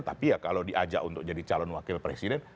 tapi ya kalau diajak untuk jadi calon wakil presiden